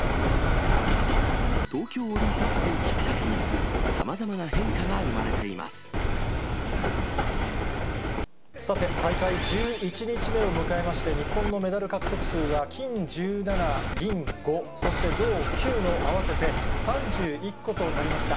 東京オリンピックをきっかけに、さて、大会１１日目を迎えまして、日本のメダル獲得数は、金１７、銀５、そして、銅９の合わせて３１個となりました。